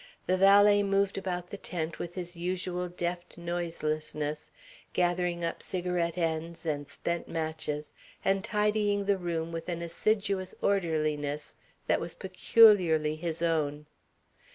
The valet moved about the tent with his usual deft noiselessness, gathering up cigarette ends and spent matches, and tidying the room with an assiduous orderliness that was peculiarly his own.